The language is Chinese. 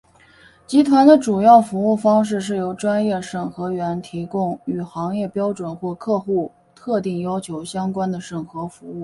集团的主要服务方式是由专业审核员提供与行业标准或客户特定要求相关的审核服务。